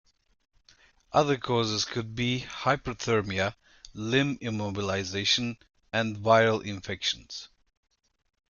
Other causes could be: hyperthermia, limb immobilization and viral infections.